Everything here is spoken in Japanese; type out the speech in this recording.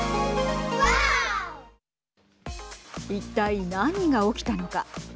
一体、何が起きたのか。